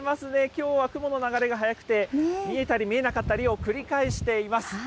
きょうは雲の流れが速くて、見えたり見えなかったりを繰り返しています。